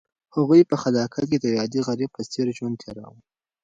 هغوی په خلافت کې د یو عادي غریب په څېر ژوند تېراوه.